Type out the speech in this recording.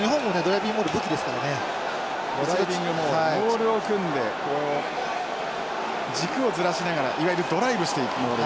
ドライビングモールモールを組んでこう軸をずらしながらいわゆるドライブしていくモール。